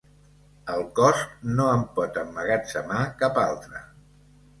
El cos no en pot emmagatzemar cap altra.